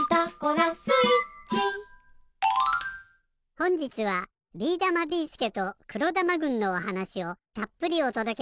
ほんじつはビーだま・ビーすけと黒玉軍のおはなしをたっぷりおとどけします。